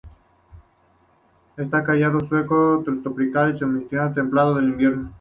Es cálido seco subtropical y semitropical, templado en invierno.